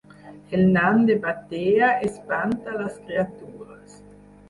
El nan de Batea espanta les criatures